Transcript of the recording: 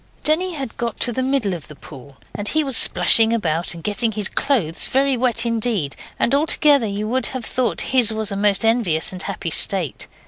Denny had got to the middle of the pool, and he was splashing about, and getting his clothes very wet indeed, and altogether you would have thought his was a most envious and happy state.